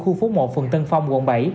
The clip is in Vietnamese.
khu phố một phường tân phong quận bảy